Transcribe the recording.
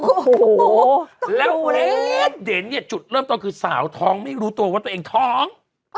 โอ้โหแล้วเด่นเนี่ยจุดเริ่มต้นคือสาวท้องไม่รู้ตัวว่าตัวเองท้อง